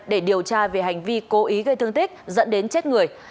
để điều tra về hành vi cố ý gây thương tích dẫn đến chết người